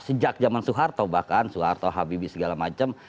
sejak zaman soeharto bahkan soeharto habibie segala macam